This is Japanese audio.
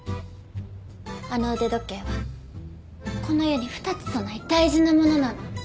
あの腕時計はこの世に２つとない大事なものなの。